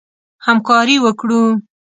همکاري وکړو.